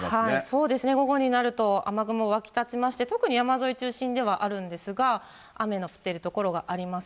そうですね、午後になると雨雲湧き立ちまして、特に山沿い中心ではあるんですが、雨の降ってる所があります。